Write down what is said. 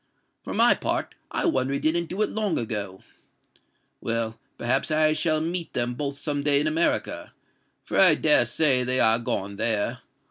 For my part, I wonder he didn't do it long ago. Well—perhaps I shall meet them both some day in America; for I dare say they are gone there.